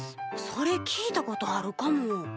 それ聞いたことあるかも。